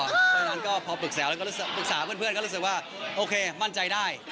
เพราะฉะนั้นก็พอปรึกษาแล้วก็ปรึกษาเพื่อนก็รู้สึกว่าโอเคมั่นใจได้